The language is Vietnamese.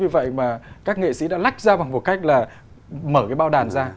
vậy mà các nghệ sĩ đã lách ra bằng một cách là mở cái bao đàn ra